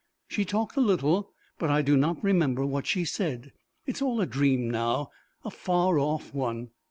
She talked a little, but I do not remember what she said. It is all a dream now, a far off one.